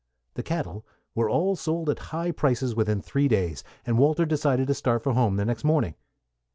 The cattle were all sold at high prices within three days, and Walter decided to start for home the next morning.